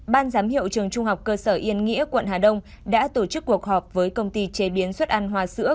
ban giám hiệu trường trung học cơ sở yên nghĩa quận hà đông đã tổ chức cuộc họp với công ty chế biến xuất ăn hoa sữa